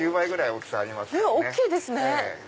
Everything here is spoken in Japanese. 大きいですね。